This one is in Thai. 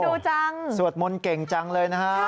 โอ้โหไอ้อดูจังสวดมนต์เก่งจังเลยนะฮะ